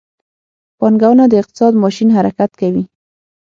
پانګونه د اقتصاد ماشین حرکت کوي.